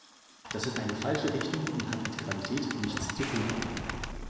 Das ist eine falsche Richtung und hat mit Qualität nichts zu tun.